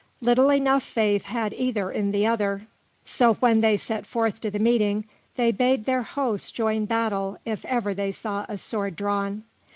Little enough faith had either in the other, so when they set forth to the meeting, they bade their hosts join battle if ever they saw a sword drawn.